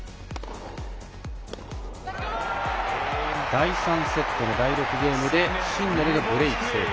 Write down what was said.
第３セットの第６ゲームでシンネルがブレーク成功。